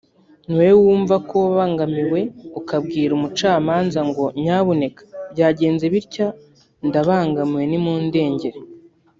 ni wowe wumva ko wabangamiwe ukabwira umucamanza ngo nyabuneka byagenze bitya ndabangamiwe nimundengere